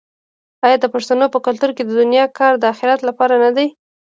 آیا د پښتنو په کلتور کې د دنیا کار د اخرت لپاره نه دی؟